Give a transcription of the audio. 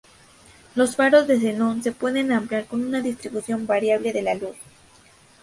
Los faros de xenón se puede ampliar con una distribución variable de la luz.